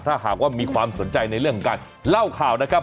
ถ้าหากว่ามีความสนใจในเรื่องของการเล่าข่าวนะครับ